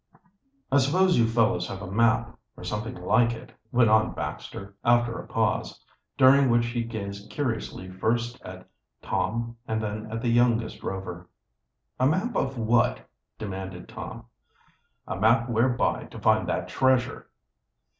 "I suppose you fellows have a map, or something like it," went on Baxter, after a pause, during which he gazed curiously first at Tom and then at the youngest Rover. "A map of what?" demanded Tom. "A map whereby to find that treasure."